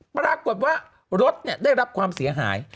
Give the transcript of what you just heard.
ปรากฏว่ารถได้รับความเสียหาย